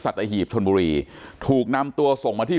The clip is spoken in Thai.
หีบชนบุรีถูกนำตัวส่งมาที่